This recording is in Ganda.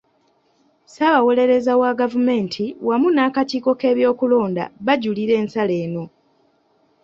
Ssaabawolereza wa gavumenti wamu n'akakiiko k'ebyokulonda bajulira ensala eno.